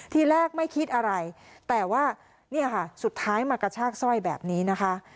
ทีแรกไม่คิดอะไรแต่ว่าเนี่ยค่ะสุดท้ายมากระชากสร้อยแบบนี้นะคะ